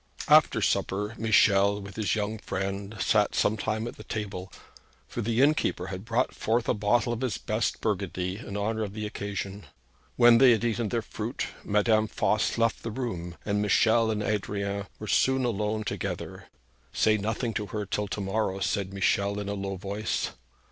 After supper Michel with his young friend sat some time at the table, for the innkeeper had brought forth a bottle of his best Burgundy in honour of the occasion. When they had eaten their fruit, Madame Voss left the room, and Michel and Adrian were soon alone together. 'Say nothing to her till to morrow,' said Michel in a low voice.